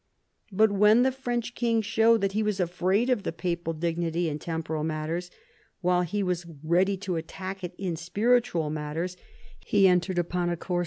But when the French king showed that he was afraid of the papal dignity in temporal matters, while he was ready to attack it in spiritual matters, he entered upon a course 16 THOMAS WOLSEY chap.